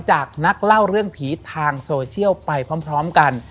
จากนักเล่าเรื่องผีทางโซเชียลไปพร้อมกัน